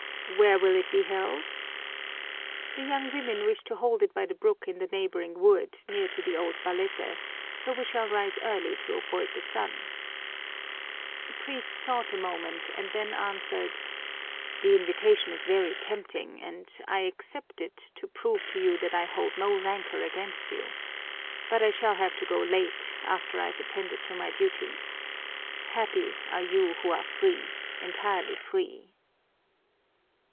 "Where will it be held?" "The young women wish to hold it by the brook in the neighboring wood, near to the old balete, so we shall rise early to avoid the sun." The priest thought a moment and then answered: "The invitation is very tempting and I accept it to prove to you that I hold no rancor against you. But I shall have to go late, after I've attended to my duties. Happy are you who are free, entirely free."